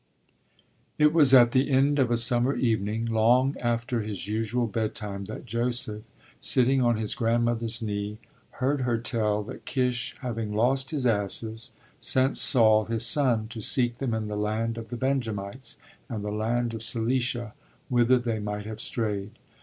It was at the end of a summer evening, long after his usual bedtime, that Joseph, sitting on his grandmother's knee, heard her tell that Kish having lost his asses sent Saul, his son, to seek them in the land of the Benjamites and the land of Shalisha, whither they might have strayed.